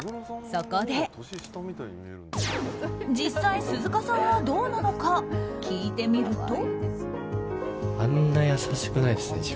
そこで実際、鈴鹿さんはどうなのか聞いてみると。